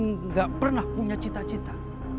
kamu yang mungkin gak pernah punya cita cita